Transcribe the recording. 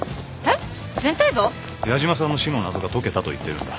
矢島さんの死の謎が解けたと言ってるんだ。